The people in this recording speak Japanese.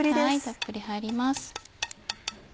たっぷり入ります。